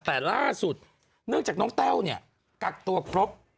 แต่ล่าสุดเนื่องจากน้องแต้วเนี่ยกักตัวครบ